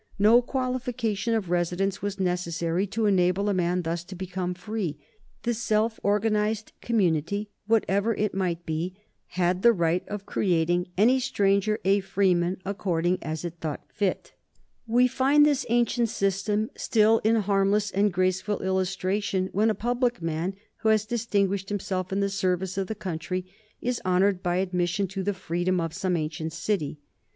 No qualification of residence was necessary to enable a man thus to become free. The self organized community, whatever it might be, had the right of creating any stranger a freeman according as it thought fit. [Sidenote: 1835 Reform of municipal corporations] We find this ancient system still in harmless and graceful illustration when a public man who has distinguished himself in the service of the country is honored by admission to the freedom of some ancient city.